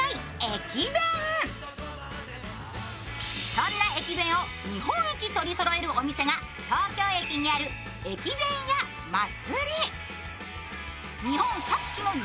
そんな駅弁を日本一取りそろえるお店が東京駅にある駅弁屋祭。